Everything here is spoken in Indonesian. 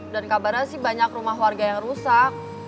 dan kabarnya sih banyak rumah warga yang rusak